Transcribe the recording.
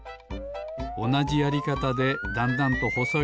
おなじやりかたでだんだんとほそい